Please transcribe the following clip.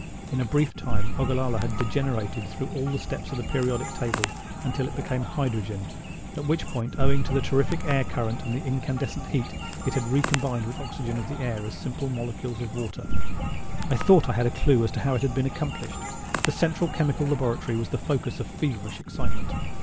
In a brief time Ogallala had degenerated through all the steps of the periodic table until it became hydrogen, at which point, owing to the terrific air current and incandescent heat, it had recombined with the oxygen of the air as simple molecules of water. I thought I had a clue as to how it had been accomplished. The Central Chemical Laboratory was the focus of feverish excitement.